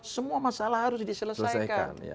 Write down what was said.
semua masalah harus diselesaikan